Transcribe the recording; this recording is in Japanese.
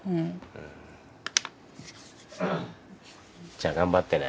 じゃあ頑張ってね。